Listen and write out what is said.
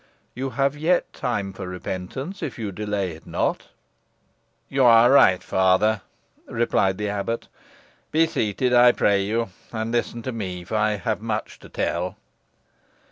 You have yet time for repentance, if you delay it not." "You are right, father," replied the abbot. "Be seated, I pray you, and listen to me, for I have much to tell.